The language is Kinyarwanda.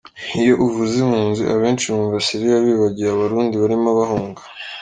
Iyo uvuze impunzi, abenshi bumva Siriya bibagiwe Abarundi barimo bahunga.